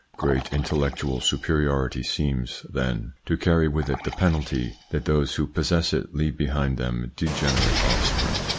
Great intellectual superiority seems, then, to carry with it the penalty that those who possess it leave behind them degenerate offspring.